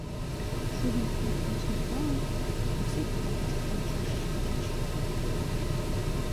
Шудым эркын шергалын, просек корныш ончаш пижыч: